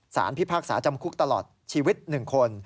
พิพากษาจำคุกตลอดชีวิต๑คน